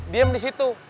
diam di situ